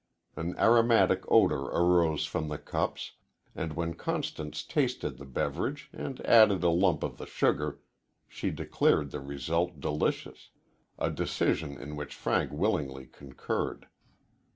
An aromatic odor arose from the cups, and, when Constance tasted the beverage and added a lump of the sugar, she declared the result delicious a decision in which Frank willingly concurred.